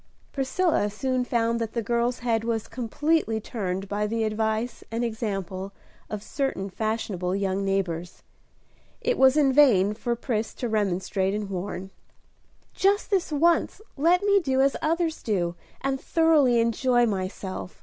Priscilla soon found that the girl's head was completely turned by the advice and example of certain fashionable young neighbors. It was in vain for Pris to remonstrate and warn. "Just this once let me do as others do, and thoroughly enjoy myself."